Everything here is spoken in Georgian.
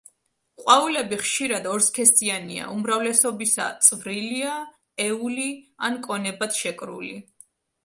ყვავილები ხშირად ორსქესიანია, უმრავლესობისა წვრილია, ეული ან კონებად შეკრული.